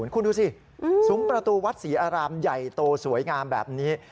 ๐๘๕๙๒๗๘๘๒๐คุณดูสิสุมประตูวัดศรีอารามใหญ่โตสวยงามแบบนี้